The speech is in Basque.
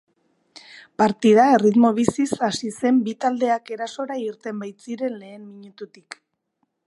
Partida erritmo biziz hasi zen bi taldeak erasora irten baitziren lehen minututik.